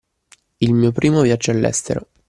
Il mio primo viaggio all’estero